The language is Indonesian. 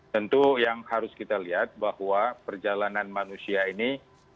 tentu yang harus kita lihat bahwa perjalanan manusia ini